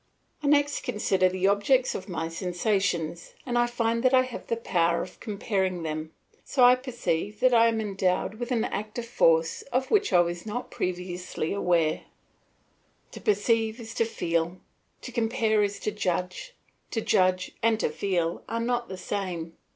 I next consider the objects of my sensations, and I find that I have the power of comparing them, so I perceive that I am endowed with an active force of which I was not previously aware. To perceive is to feel; to compare is to judge; to judge and to feel are not the same.